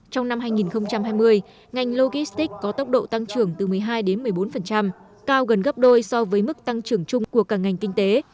trong năm hai nghìn hai mươi ngành logistics có tốc độ tăng trưởng từ một mươi hai đến một mươi bốn cao gần gấp đôi so với mức tăng trưởng chung của cả ngành kinh tế